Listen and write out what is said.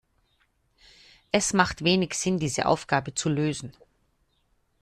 Es macht wenig Sinn, diese Aufgabe zu lösen.